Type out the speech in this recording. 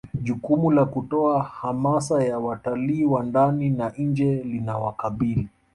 jukumu la kutoa hamasa ya watalii wa ndani na nje linawakabili